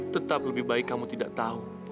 tetap lebih baik kamu tidak tahu